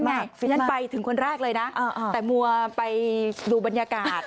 เหมือนที่ฉันไงฉันไปถึงคนแรกเลยนะแต่มัวไปดูบรรยากาศ